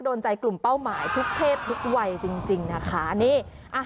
โดนใจกลุ่มเป้าหมายทุกเพศทุกวัยจริงนะคะนี่อ่ะ